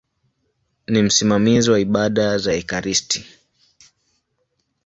Ni msimamizi wa ibada za ekaristi.